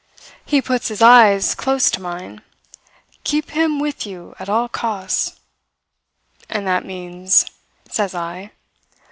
He puts his eyes close to mine. 'Keep him with you at all costs.' "'And that means?' says I.